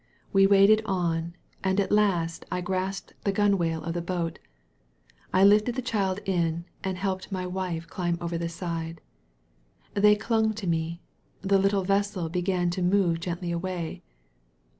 We waded on, and at last I grasped the gunwale of the boat. I lifted the child in and helped my wife to climb over the side. They clung to me. The little vessel began to move gently away.